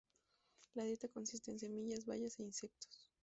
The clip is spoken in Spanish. La dieta consiste en semillas, bayas e insectos.